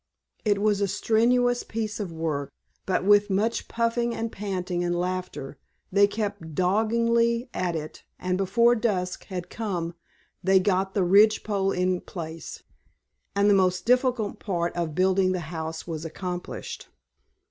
It was a strenuous piece of work, but with much puffing and panting and laughter they kept doggedly at it, and before dusk had come they got the ridgepole in place, and the most difficult part of building the house was accomplished.